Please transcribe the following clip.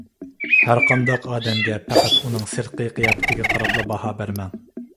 ھەر قانداق ئادەمگە پەقەت ئۇنىڭ سىرتقى قىياپىتىگە قاراپلا باھا بەرمەڭ.